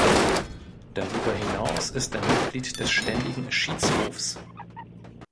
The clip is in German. Darüber hinaus ist er Mitglied des Ständigen Schiedshofs.